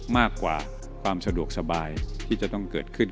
มากกว่าความสะดวกสบายที่จะต้องเกิดขึ้น